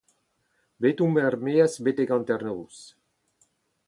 Bet omp er-maez betek hanternoz.